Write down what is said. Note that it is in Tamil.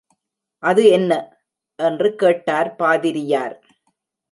அது என்ன? என்று கேட்டார் பாதிரியார்.